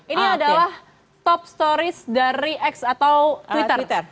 ini adalah top stories dari x atau twitter